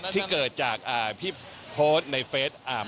ที่เกิดจากพี่โพสในเฟส